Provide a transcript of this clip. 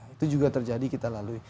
itu juga terjadi kita lalui